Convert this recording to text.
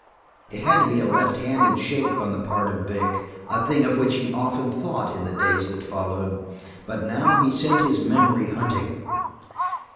It had to be a left handed shake on the part of Vic, a thing of which he often thought in the days that followed, but now he sent his memory hunting.